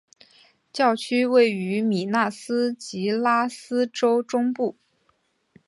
教区位于米纳斯吉拉斯州中部。